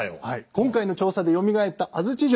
今回の調査でよみがえった安土城